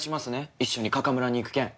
一緒に華果村に行く件。